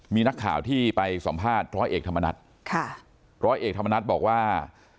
มีนักข่าวที่ไปสัมภาษณ์ร้อยเอกธรรมนัฐค่ะร้อยเอกธรรมนัฏบอกว่า